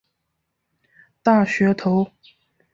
大学头。